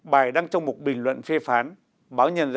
bài đăng trong một bình luận phê phán báo nhân dân